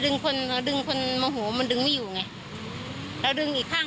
ดึงคนดึงคนมองหัวมันดึงไม่อยู่ไงเราดึงอีกข้าง